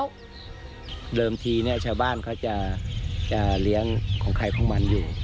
วันเช่าเดิมทีนี้ชาวบ้านเขาจะเลี้ยงใครของมันอยู่